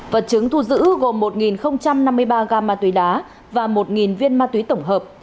vật chứng thu giữ gồm một năm mươi ba gam ma túy đá và một viên ma túy tổng hợp